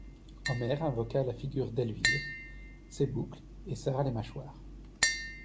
Omer invoqua la figure d'Elvire, ses boucles, et serra les mâchoires.